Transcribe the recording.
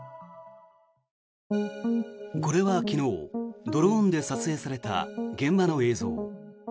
これは昨日ドローンで撮影された現場の映像。